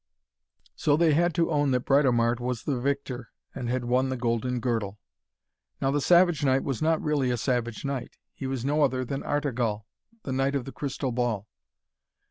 So they had to own that Britomart was the victor, and had won the golden girdle. Now the Savage Knight was not really a savage knight. He was no other than Artegall, the knight of the Crystal Ball.